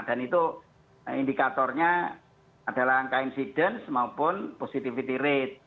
dan itu indikatornya adalah angka insiden maupun positivity rate